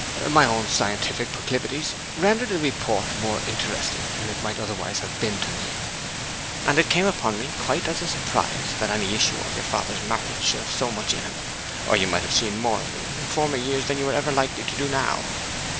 My own scientific proclivities rendered the report more interesting than it might otherwise have been to me; and it came upon me quite as a surprise that any issue of your father's marriage should have so much in him, or you might have seen more of me in former years than you are ever likely to do now.